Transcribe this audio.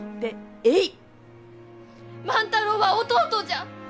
万太郎は弟じゃ！